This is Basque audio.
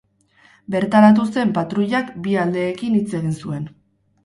Bertaratu zen patruilak bi aldeekin hitz egin zuen.